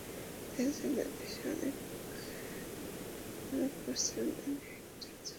তার জন্য এদেশের অনেকে মনে করছে, আমি একটা জুয়াচোর।